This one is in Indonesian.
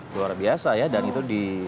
luar biasa ya dan itu di